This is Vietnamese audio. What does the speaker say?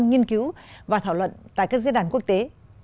nghiên cứu và thảo luận tại các giới đoàn quốc tế